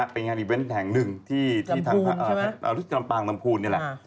เป็นงานอีเวนต์แห่งหนึ่งที่ทางปางลำพูนนี่แหละ